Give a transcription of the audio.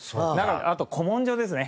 あと古文書ですね。